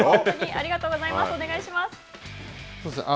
ありがとうございます。